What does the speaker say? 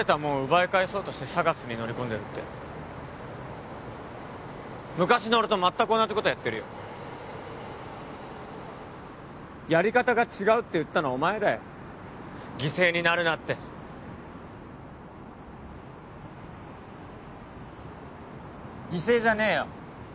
奪い返そうとしてＳＡＧＡＳに乗り込んでるって昔の俺と全く同じことやってるよやり方が違うって言ったのお前だよ犠牲になるなって犠牲じゃねえよ